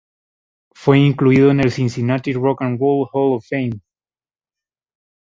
Fue incluido en el Cincinnati Rock and Roll Hall of Fame.